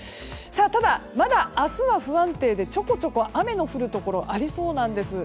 ただ、まだ明日は不安定でちょこちょこ雨の降るところがありそうなんです。